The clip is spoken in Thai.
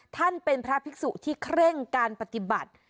ท่านเป็นพระภิกษุที่เคร่งการปฏิบัติ